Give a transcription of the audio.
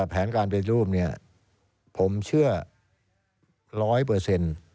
แผนการเป็นรูปเนี่ยผมเชื่อร้อยเปอร์เซ็นต์